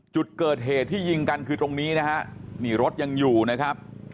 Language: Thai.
จุดเกิดเหตุที่ยิงกันคือตรงนี้นะฮะนี่รถยังอยู่นะครับ